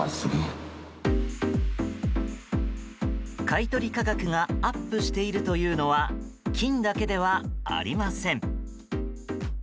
買い取り価格がアップしているというのは金だけではありません。